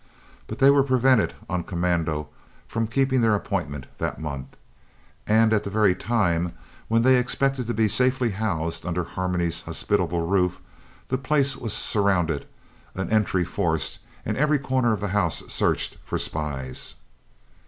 But they were prevented on commando from keeping their appointment that month and at the very time when they expected to be safely housed under Harmony's hospitable roof, the place was surrounded, an entry forced and every corner of the house searched for spies.